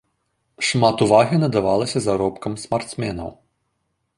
Шмат увагі надавалася заробкам спартсменаў.